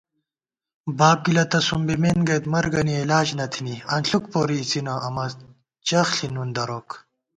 باب گِلہ تہ سُم بِمېن گئیت مَرگَنی علاج نہ تھنی * انݪُک پوری اِڅِنہ امہ چَخݪی نُن دروک